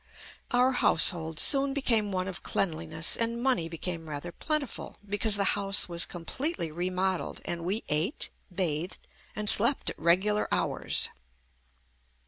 Our household soon became one of cleanliness and money became rather plentiful, because the house was completely remodeled and we ate, bathed and slept at regular hours.